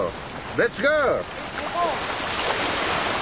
レッツゴー！